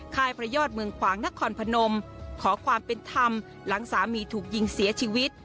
ค่ายพระยอดเมืองขวางนครพนมขอความเป็นธรรมหลังสามีถูกยิงเสียชีวิต